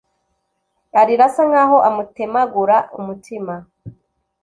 arira asa nkaho amutemagura umutima